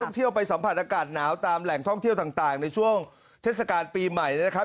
เที่ยวไปสัมผัสอากาศหนาวตามแหล่งท่องเที่ยวต่างในช่วงเทศกาลปีใหม่นะครับ